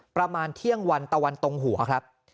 ประมาณเที่ยงวันตะวันตรงหัวครับ